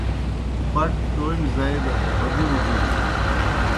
بٹ تومیْ زائی دہ ہگُروْ بِینوْ